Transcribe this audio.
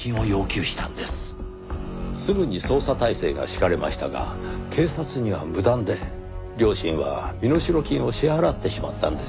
すぐに捜査態勢が敷かれましたが警察には無断で両親は身代金を支払ってしまったんです。